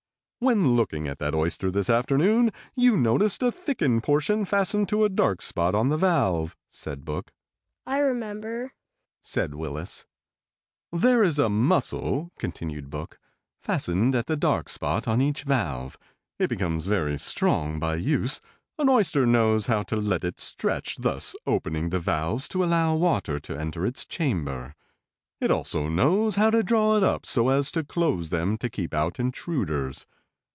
"When looking at that oyster this afternoon you noticed a thickened portion fastened to a dark spot on the valve," said Book. "I remember," said Willis. "There is a muscle," continued Book, "fastened at the dark spot on each valve. It becomes very strong by use. An oyster knows how to let it stretch, thus opening the valves to allow water to enter his chamber. It also knows how to draw it up so as to close them to keep out intruders.